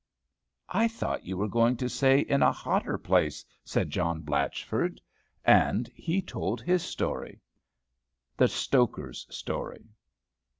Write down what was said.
"I thought you were going to say in a hotter place," said John Blatchford; and he told his story: THE STOKER'S STORY.